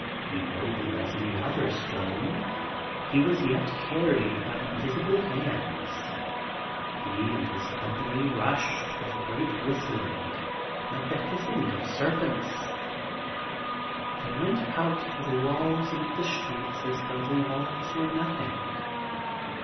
Immobile as any other stone, he was yet carried by invisible hands. He and his company rushed with a great whistling like the hissing of serpents. They went out through the walls into the streets as though the walls were nothing.